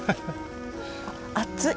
熱い。